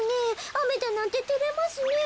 あめだなんててれますねえ。